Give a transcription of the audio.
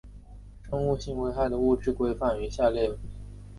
生物性危害的物质规范于下列的联合国危险货物编号